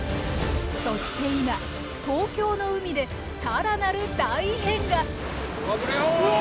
そして今東京の海で更なる大異変が！